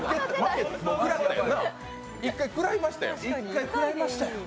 １回食らいましたやん。